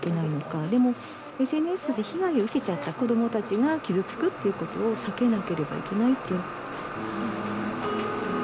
でもＳＮＳで被害を受けちゃった子どもたちが傷つくっていうことを避けなければいけない。